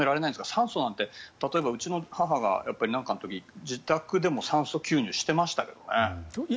酸素なんてうちの母がなんかの時に自宅でも酸素吸入していましたけどね。